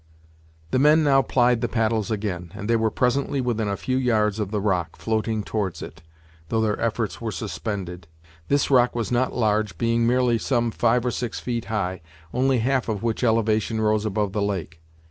The men now plied the paddles again, and they were presently within a few yards of the rock, floating towards it, though their efforts were suspended. This rock was not large, being merely some five or six feet high, only half of which elevation rose above the lake.